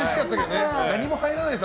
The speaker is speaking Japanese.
何も入らないです